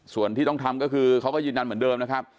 ส่วนที่ต้องทำก็คือเขาก็ยืนยันเหมือนเดิมนะครับ